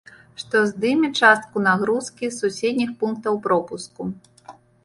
Што здыме частку нагрузкі з суседніх пунктаў пропуску.